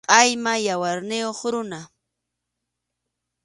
Qʼayma yawarniyuq runa.